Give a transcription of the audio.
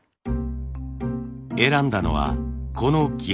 選んだのはこのキハダ。